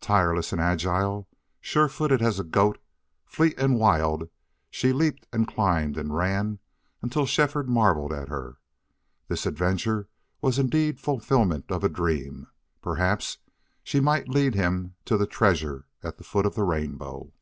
Tireless and agile, sure footed as a goat, fleet and wild she leaped and climbed and ran until Shefford marveled at her. This adventure was indeed fulfilment of a dream. Perhaps she might lead him to the treasure at the foot of the rainbow.